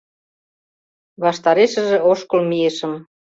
Ваштарешыже ошкыл мийышым.